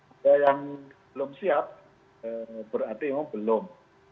ada yang belum siap berarti memang belum